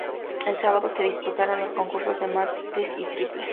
El sábado se disputaron los concurso de mates y triples.